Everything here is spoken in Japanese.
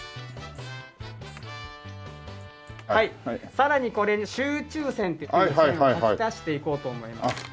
さらにこれに集中線という線を書き足していこうと思います。